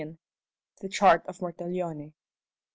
THE CHART OF MORTALLONE.